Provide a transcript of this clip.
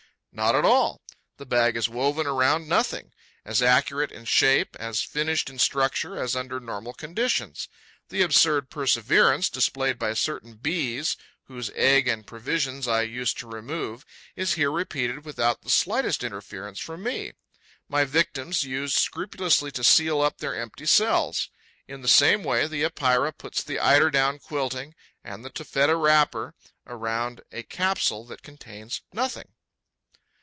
Not at all: the bag is woven around nothing, as accurate in shape, as finished in structure as under normal conditions. The absurd perseverance displayed by certain Bees, whose egg and provisions I used to remove, is here repeated without the slightest interference from me. My victims used scrupulously to seal up their empty cells. In the same way, the Epeira puts the eiderdown quilting and the taffeta wrapper round a capsule that contains nothing.